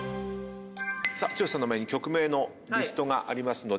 剛さんの前に曲名のリストがありますので。